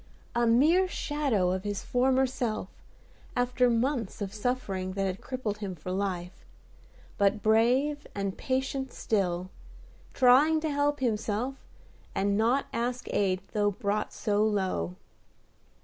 A mere shadow of his former self, after months of suffering that had crippled him for life, but brave and patient still; trying to help himself, and not ask aid though brought so low.